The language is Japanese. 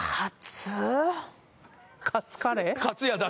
カツカレー？